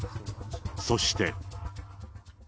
そして。